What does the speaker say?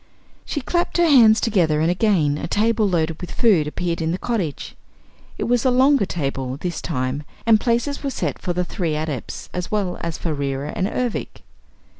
She clapped her hands together and again a table loaded with food appeared in the cottage. It was a longer table, this time, and places were set for the three Adepts as well as for Reera and Ervic.